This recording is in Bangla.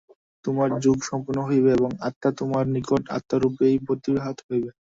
তোমার যোগ সম্পূর্ণ হইবে এবং আত্মা তোমার নিকট আত্মারূপেই প্রতিভাত হইবে।